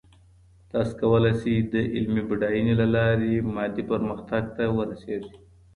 تاسو کولای سئ د علمي بډاينې له لاري مادي پرمختګ ته ورسېږئ.